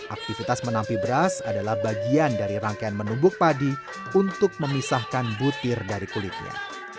aktivitas menampi beras adalah bagian dari rangkaian menumbuk padi untuk memisahkan butir dari kulitnya